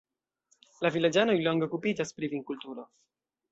La vilaĝanoj longe okupiĝas pri vinkulturo.